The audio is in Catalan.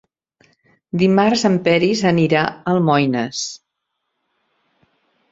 Dimarts en Peris anirà a Almoines.